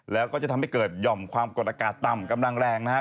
แล้วก็จะทำให้เกิดหย่อมความกดอากาศต่ำกำลังแรงนะครับ